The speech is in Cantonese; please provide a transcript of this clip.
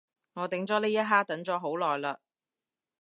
我等咗呢一刻等咗好耐嘞